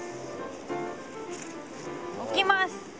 巻きます。